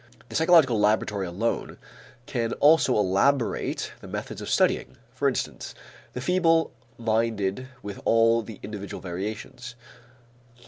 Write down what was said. The psychological laboratory alone can also elaborate the methods of studying, for instance, the feeble minded with all the individual variations.